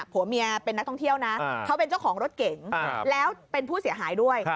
ผัวเมียเป็นนักท่องเที่ยวนะเขาเป็นเจ้าของรถเก๋งแล้วเป็นผู้เสียหายด้วย